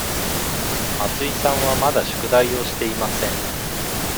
松井さんはまだ宿題をしていません。